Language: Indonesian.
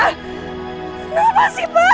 kenapa sih pak